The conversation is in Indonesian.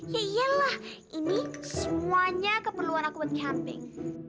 ya iyalah ini semuanya keperluan aku buat camping